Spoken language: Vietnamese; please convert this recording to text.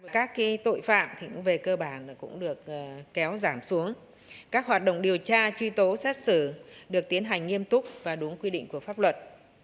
các tội phạm về cơ bản cũng được kéo giảm xuống các hoạt động điều tra truy tố xét xử được tiến hành nghiêm túc và đúng quy định của pháp luật